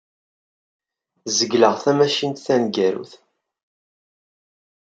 Zegleɣ tamacint taneggarut.